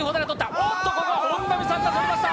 おっとここ、本並さんが取りました